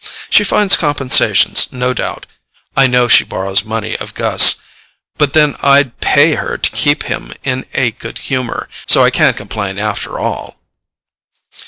She finds compensations, no doubt—I know she borrows money of Gus—but then I'd PAY her to keep him in a good humour, so I can't complain, after all."